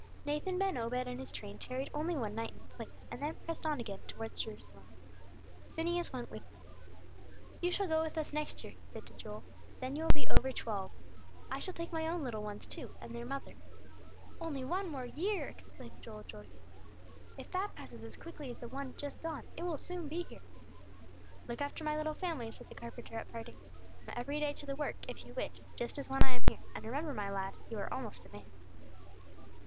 _ Nathan ben Obed and his train tarried only one night in the place, and then pressed on again towards Jerusalem. Phineas went with them. "You shall go with us next year," he said to Joel; "then you will be over twelve. I shall take my own little ones too, and their mother." "Only one more year," exclaimed Joel, joyfully. "If that passes as quickly as the one just gone, it will soon be here." "Look after my little family," said the carpenter, at parting. "Come every day to the work, if you wish, just as when I am here; and remember, my lad, you are almost a man."